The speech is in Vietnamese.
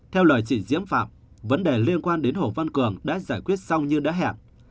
theo lời chỉ diễm phạm vấn đề liên quan đến hồ văn cường đã giải quyết xong như đã hẹn